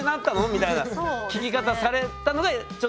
みたいな聞き方されたのがちょっと。